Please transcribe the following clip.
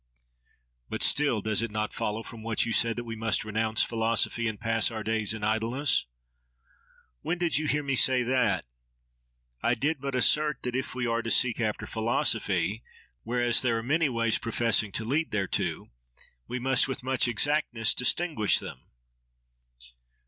—But still, does it not follow from what you said, that we must renounce philosophy and pass our days in idleness? —When did you hear me say that? I did but assert that if we are to seek after philosophy, whereas there are many ways professing to lead thereto, we must with much exactness distinguish them.